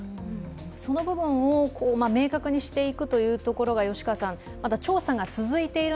その部分を明確にしていくというところがまだ調査が続いている